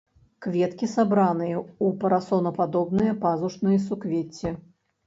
Кветкі сабраныя ў парасонападобныя пазушныя суквецці.